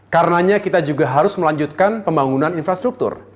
karenanya kita juga harus melanjutkan pembangunan infrastruktur